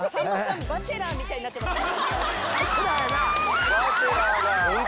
『バチェラー』みたいになってません？